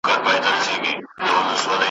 زماقراره ګوندي راسې.